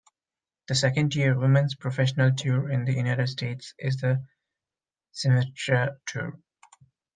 The second tier women's professional tour in the United States is the Symetra Tour.